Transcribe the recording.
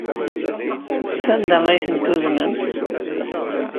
Sanda ay tent-tuznemt?